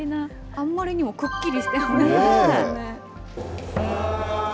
あんまりにもくっきりしてますよね。